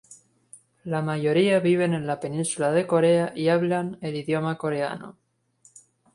La mayoría viven en la península de Corea y hablan el idioma coreano.